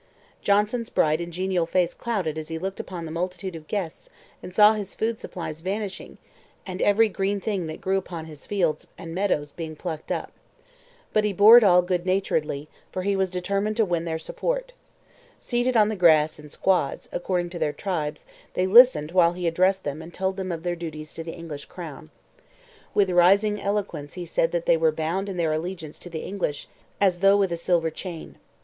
Johnson's bright and genial face clouded as he looked upon the multitude of guests and saw his food supplies vanishing and every green thing that grew upon his fields and meadows being plucked up. But he bore it all good naturedly, for he was determined to win their support. Seated on the grass in squads, according to their tribes, they listened while he addressed them and told them of their duties to the English crown. With rising eloquence he said that they were bound in their allegiance to the English as though with a silver chain.